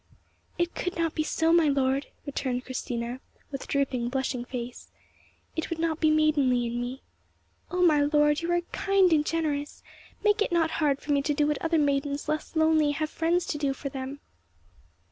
"It could not so be, my lord," returned Christina with drooping, blushing face; "it would not be maidenly in me. Oh, my lord, you are kind and generous, make it not hard for me to do what other maidens less lonely have friends to do for them!"